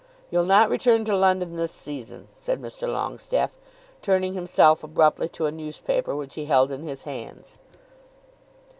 "You'll not return to London this season," said Mr. Longestaffe, turning himself abruptly to a newspaper which he held in his hands.